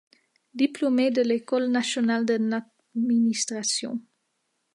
Diplômée de l'École nationale d'administration.